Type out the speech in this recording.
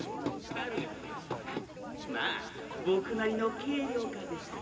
まぁボクなりの軽量化ですわ」。